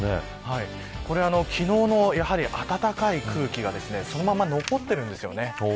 これは昨日の暖かい空気がそのまま残っているんですね。